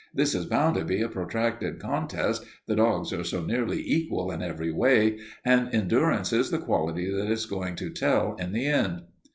This is bound to be a protracted contest, the dogs are so nearly equal in every way, and endurance is the quality that is going to tell in the end."